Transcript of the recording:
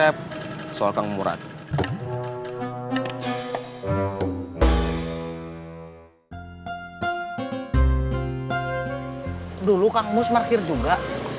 dulu kang mus markir juga